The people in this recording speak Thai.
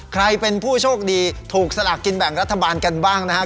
ใครเป็นผู้โชคดีถูกสลากกินแบ่งรัฐบาลกันบ้างนะครับ